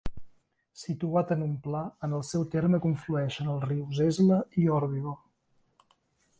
Situat en un pla, en el seu terme conflueixen els rius Esla i Órbigo.